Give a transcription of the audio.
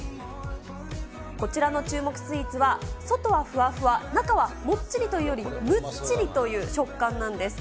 こちらの注目スイーツは、外はふわふわ中はもっちりというよりむっちりという食感なんです。